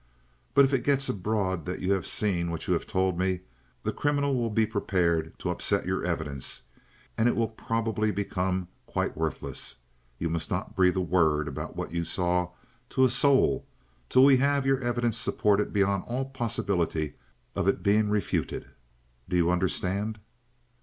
"But if it gets abroad that you have seen what you have told me, the criminal will be prepared to upset your evidence; and it will probably become quite worthless. You must not breathe a word about what you saw to a soul till we have your evidence supported beyond all possibility of its being refuted. Do you understand?"